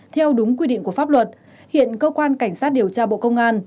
theo đúng quy định của pháp luật hiện cơ quan cảnh sát điều tra bộ công an